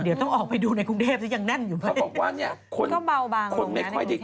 เดี๋ยวขอออกไปดูในกรุงเทพสิยังแน่นอยู่ไหม